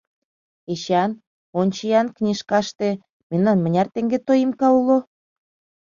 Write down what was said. Эчан, ончо-ян книжкаште: мемнан мыняр теҥге тоимка уло?